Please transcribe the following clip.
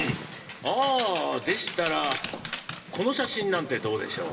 ああでしたらこの写真なんてどうでしょう？